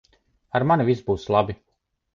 Ar mani viss būs labi.